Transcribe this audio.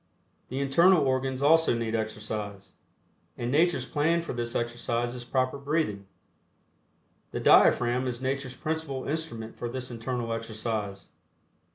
The internal organs also need exercise, and Nature's plan for this exercise is proper breathing. The diaphragm is Nature's principal instrument for this internal exercise.